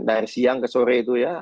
dari siang ke sore itu ya